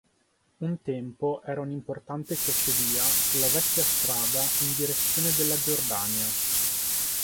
Un tempo era un importante crocevia sulla vecchia strada in direzione della Giordania.